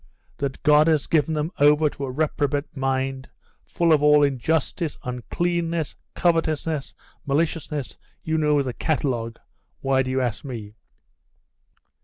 That God has given them over to a reprobate mind, full of all injustice, uncleanness, covetousness, maliciousness, you know the catalogue why do you ask me?